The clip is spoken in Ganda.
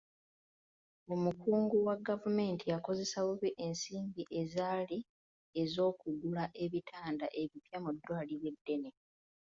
Omukungu wa gavumenti yakozesa bubi ensimbi ezaali ez'okugula ebitanda ebipya mu ddwaliro eddene.